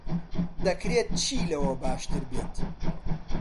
دەکرێت چی لەوە باشتر بێت؟